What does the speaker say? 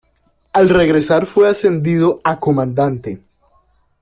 Al regresar fue ascendido a comandante.